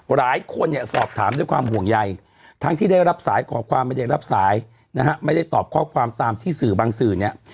หลายคนเนี่ยสอบถามด้วยความห่วงใยทั้งที่ได้รับสายขอความไม่ได้รับสายนะฮะไม่ได้ตอบข้อความตามที่สื่อบางสื่อเนี่ย